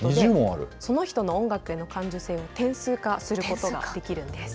その人の音楽の感受性を点数化することができるんです。